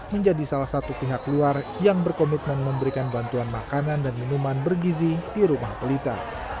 menjadi salah satu pihak luar yang berkomitmen memberikan bantuan makanan dan minuman bergizi di rumah pelita